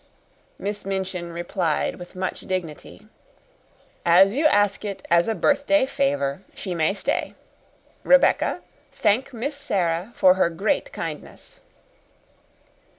Miss Minchin replied with much dignity: "As you ask it as a birthday favor she may stay. Rebecca, thank Miss Sara for her great kindness."